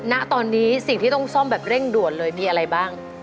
ณตอนนี้สิ่งที่ต้องซ่อมแบบเร่งด่วนเลยมีอะไรบ้าง